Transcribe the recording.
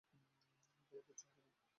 তোমর কিচ্ছু হবে না।